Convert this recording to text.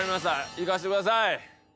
いかせてください！